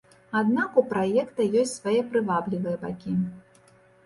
Аднак у праекта ёсць свае прываблівыя бакі.